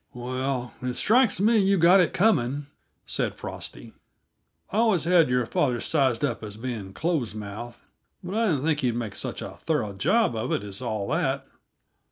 "Well, it strikes me you've got it coming," said Frosty. "I always had your father sized up as being closed mouthed, but I didn't think he made such a thorough job of it as all that.